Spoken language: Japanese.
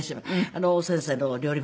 あの先生の料理